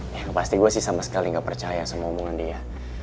yang pasti gue sih sama sekali gak percaya sama hubungan dia